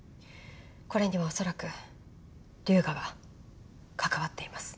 これには恐らく龍河が関わっています。